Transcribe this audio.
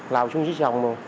lau xuống dưới sông luôn